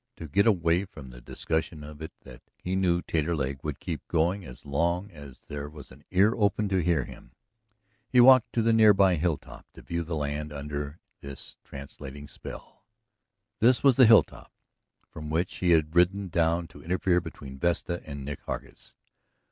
To get away from the discussion of it that he knew Taterleg would keep going as long as there was an ear open to hear him, he walked to the near by hilltop to view the land under this translating spell. This was the hilltop from which he had ridden down to interfere between Vesta and Nick Hargus.